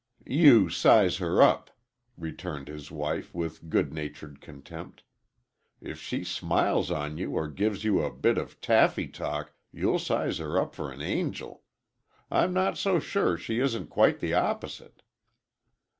"You size her up!" returned his wife, with good natured contempt. "If she smiles on you or gives you a bit of taffy talk, you'll size her up for an angel! I'm not so sure she isn't quite the opposite!"